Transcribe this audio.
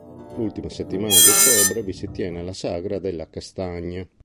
L'ultima settimana di ottobre vi si tiene la "Sagra della castagna".